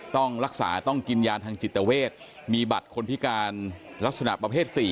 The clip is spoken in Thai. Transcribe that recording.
ต้องรักษาต้องกินยาทางจิตเวทมีบัตรคนพิการลักษณะประเภท๔